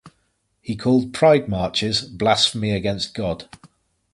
He called pride marches "blasphemy against God".